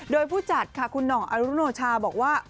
โดยผู้จัดค่ะคุณห่องอรุโนชาบอกว่า